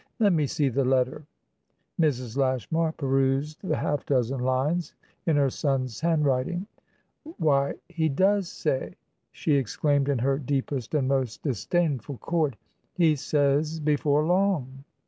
"Let me see the letter." Mrs. Lashmar perused the half dozen lines in her son's handwriting. "Why, he does say!" she exclaimed in her deepest and most disdainful chord. "He says 'before long.'"